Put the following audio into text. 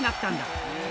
へえ。